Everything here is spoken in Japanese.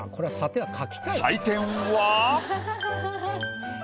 採点は。